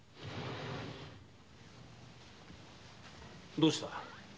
どうした？